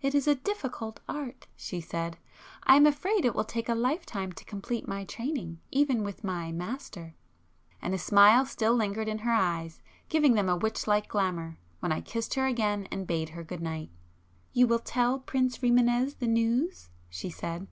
"It is a difficult art!" she said—"I am afraid it will take a life time to complete my training, even with my 'master.'" And a smile still lingered in her eyes, giving them a witch like [p 207] glamour, when I kissed her again and bade her good night. "You will tell Prince Rimânez the news?" she said.